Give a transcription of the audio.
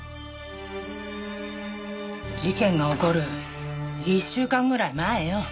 事件が起こる１週間ぐらい前よ。